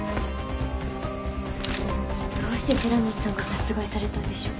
どうして寺西さんが殺害されたんでしょう？